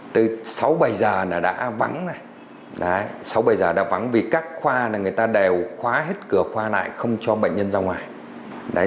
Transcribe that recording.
từ sáu bảy h là đã vắng vì các khoa là người ta đều khóa hết cửa khoa lại không cho bệnh nhân ra ngoài